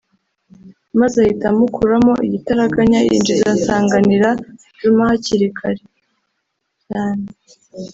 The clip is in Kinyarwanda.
maze ahita amukuramo igitaraganya yinjiza Nsanganira Djuma hakiri kare cyane